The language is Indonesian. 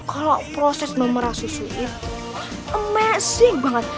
kalau proses memerah susu itu emesin banget